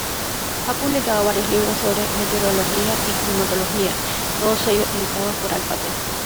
Ha publicado varios libros sobre meteorología y climatología, todos ellos editados por Alpha Test.